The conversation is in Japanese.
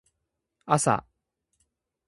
あさ